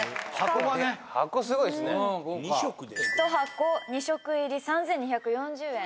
今ね２食で１箱２食入り３２４０円